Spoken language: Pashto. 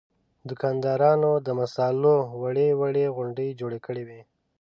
دوکاندارانو د مصالحو وړې وړې غونډۍ جوړې کړې وې.